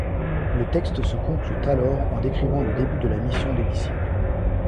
Le texte se conclut alors en décrivant le début de la mission des disciples.